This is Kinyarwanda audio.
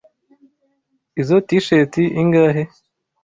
Izoi T-shirt ingahe?